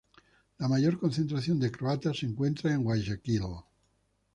La mayor concentración de croatas se encuentra en Guayaquil.